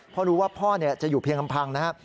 เพราะรู้ว่าพ่อจะอยู่เพียงลำพังนะครับ